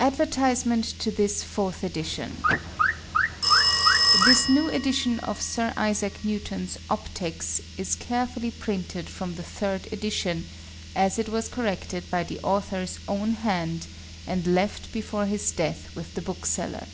Advertisement to this Fourth Edition This new Edition of Sir Isaac Newton's Opticks _is carefully printed from the Third Edition, as it was corrected by the Author's own Hand, and left before his Death with the Bookseller.